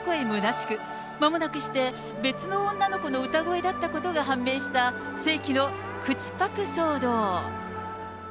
むなしく、まもなくして、別の女の子の歌声だったことが判明した、世紀の口パク騒動。